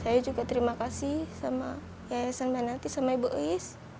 saya juga terima kasih sama yayasan menanti sama ibu iis